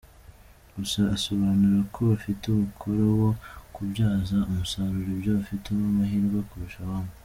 Gusa asobanura ko bafite umukoro wo kubyaza umusaruro ibyo bafitemo amahirwe kurusha abandi.